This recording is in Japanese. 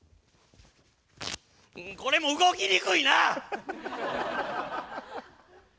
これも動きにくいな！